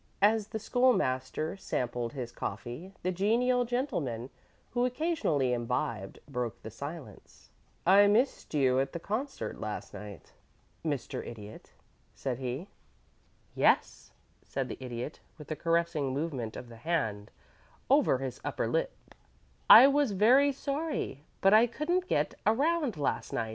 As the School master sampled his coffee the genial gentleman who occasionally imbibed broke the silence. "I missed you at the concert last night, Mr. Idiot," said he. "Yes," said the Idiot, with a caressing movement of the hand over his upper lip; "I was very sorry, but I couldn't get around last night.